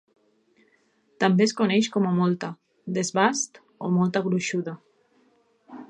També es coneix com a molta, desbast o molta gruixuda.